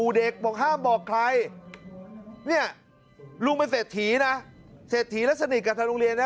เด็กบอกห้ามบอกใครเนี่ยลุงเป็นเศรษฐีนะเศรษฐีแล้วสนิทกับทางโรงเรียนนะ